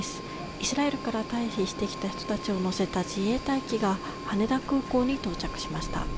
イスラエルから退避してきた人たちを乗せた自衛隊機が羽田空港に到着しました。